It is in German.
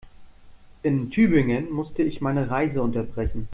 In Tübingen musste ich meine Reise unterbrechen